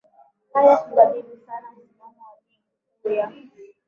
haya kubadili sana msimamo wa ligi kuu ya